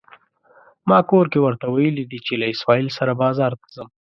ما کور کې ورته ويلي دي چې له اسماعيل سره بازار ته ځم.